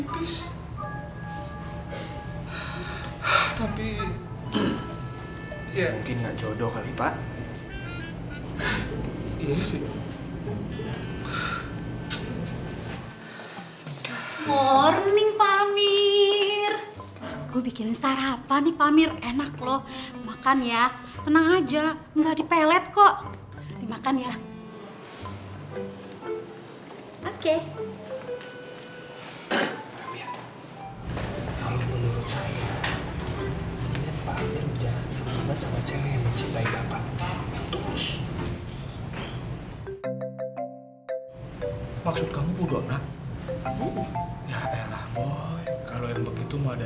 kita yang was was boy dia pasti masih dendam sama kita